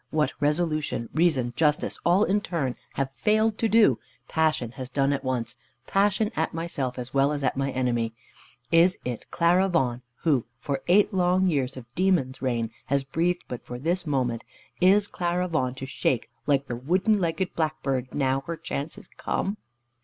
What resolution, reason, justice, all in turn, have failed to do, passion has done at once passion at myself, as well as at my enemy. Is it Clara Vaughan, who, for eight long years of demon's reign, has breathed but for this moment is Clara Vaughan to shake like the wooden legged blackbird now her chance is come?